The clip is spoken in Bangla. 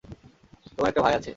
তোমার একটা ভাই আছে?